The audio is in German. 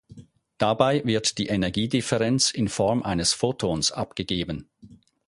Dabei wird die Energiedifferenz in Form eines Photons abgegeben.